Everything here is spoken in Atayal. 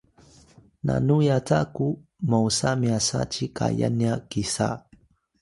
nanu yaca ku mosa myasa ci kayan nya kisa